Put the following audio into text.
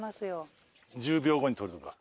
１０秒後に撮るとか。